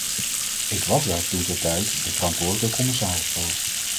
Ik was daar toentertijd de verantwoordelijke commissaris voor.